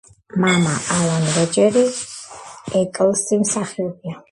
მამა, ალან როჯერ ეკლსი, მსახიობია.